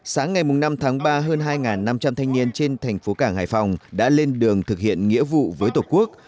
sáng ngày năm tháng ba hơn hai năm trăm linh thanh niên trên thành phố cảng hải phòng đã lên đường thực hiện nghĩa vụ với tổ quốc